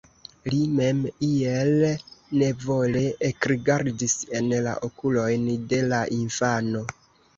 Li mem iel nevole ekrigardis en la okulojn de la infano.